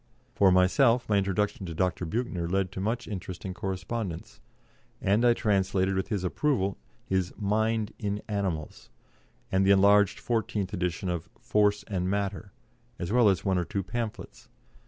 For myself, my introduction to Dr. Büchner, led to much interesting correspondence, and I translated, with his approval, his "Mind in Animals," and the enlarged fourteenth edition of "Force and Matter," as well as one or two pamphlets.